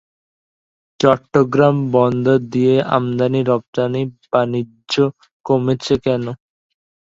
চট্টগ্রাম বন্দর দিয়ে আমদানি-রপ্তানি বাণিজ্য কমেছে কেন?